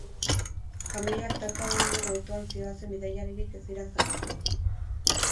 Kamioiak talka egin duen autoan zihoazen bidaiariak ez dira zauritu.